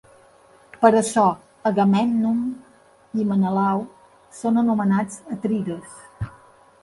Per això Agamèmnon i Menelau són anomenats Atrides.